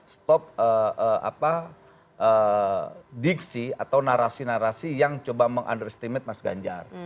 stop diiksi atau narasi narasi yang mencoba meng understimate mas ganjar